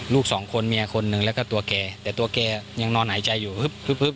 ลูกสองคนเมียคนหนึ่งแล้วก็ตัวแกแต่ตัวแกยังนอนหายใจอยู่ฮึบ